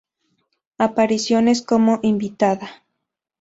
Apariciones como invitada